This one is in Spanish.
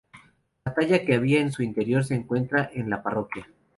La talla que había en su interior se encuentra en la parroquia.